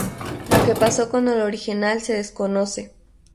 Lo que pasó con el original se desconoce.